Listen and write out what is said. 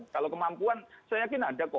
kalau kemampuan saya yakin ada kok